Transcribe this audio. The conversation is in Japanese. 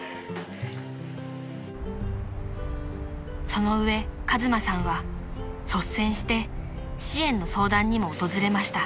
［その上和真さんは率先して支援の相談にも訪れました］